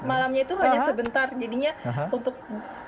malamnya itu hanya sebentar jadinya untuk